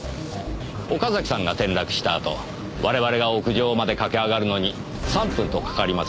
岡崎さんが転落したあと我々が屋上まで駆け上がるのに３分とかかりませんでした。